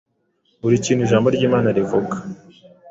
buri kintu Ijambo ry’Imana rivuga.